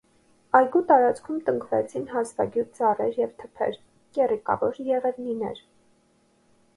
Այգու տարածքում տնկվեցին հազվագյուտ ծառեր և թփեր (կեռիկավոր եղևնիներ)։